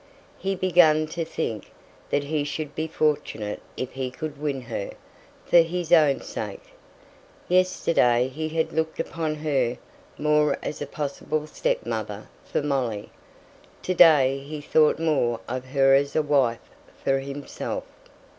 He began to think that he should be fortunate if he could win her, for his own sake. Yesterday he had looked upon her more as a possible stepmother for Molly; to day he thought more of her as a wife for himself.